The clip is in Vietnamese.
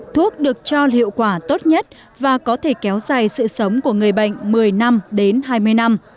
thuốc được cho hiệu quả tốt nhất và có thể kéo dài sự sống của người bệnh một mươi năm